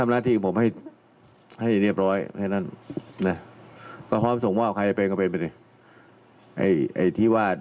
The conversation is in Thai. อะไรเขาอยู่แล้วว่ากันไปดิ